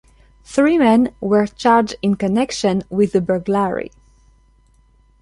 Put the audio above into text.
Three men were charged in connection with the burglary.